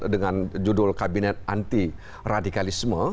dengan judul kabinet anti radikalisme